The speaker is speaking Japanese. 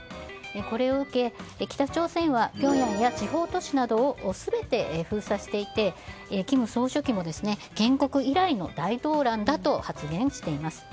これを受け、北朝鮮はピョンヤンや地方都市などを全て封鎖していて、金総書記も建国以来の大動乱だと発言しています。